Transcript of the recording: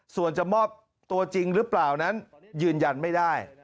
ส่วนจะมอบตัวจริงหรือเปล่านั้นยืนยันไม่ได้